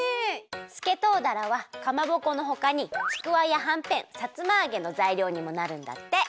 すけとうだらはかまぼこのほかにちくわやはんぺんさつまあげのざいりょうにもなるんだって！